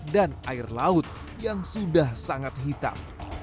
dan air laut yang sudah sangat hitam